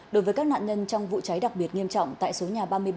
đối với các nạn nhân trong vụ cháy đặc biệt nghiêm trọng tại số nhà ba mươi bảy